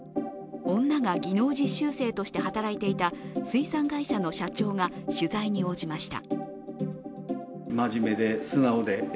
女が技能実習生として働いていた水産会社の社長が取材に応じました。